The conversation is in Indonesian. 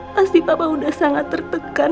pasti papa udah sangat tertekan